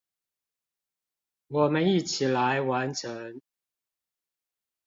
我們一起來完成